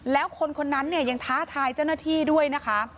แล้วคนคนนั้นเนี่ยยังท้าทายเจ้าหน้าที่ด้วยนะคะ